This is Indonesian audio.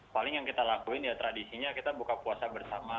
paling yang kita lakuin ya tradisinya kita buka puasa bersama